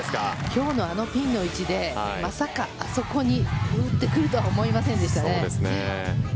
今日のあのピンの位置でまさかあそこに打ってくるとは思いませんでしたね。